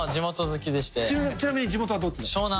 ちなみに地元はどちら？